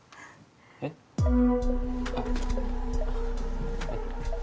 えっ？あっえっと